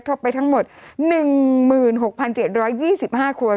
กรมป้องกันแล้วก็บรรเทาสาธารณภัยนะคะ